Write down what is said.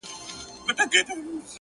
• شکر دی گراني چي زما له خاندانه نه يې ـ